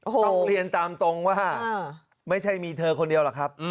ต้องเรียนตามตรงว่าไม่ใช่มีเธอคนเดียวหรอกครับ